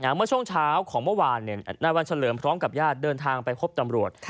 เมื่อช่วงเช้าของเมื่อวานนายวันเฉลิมพร้อมกับญาติเดินทางไปพบตำรวจ